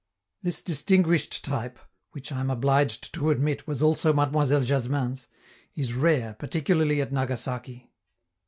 This distinguished type (which I am obliged to admit was also Mademoiselle Jasmin's) is rare, particularly at Nagasaki.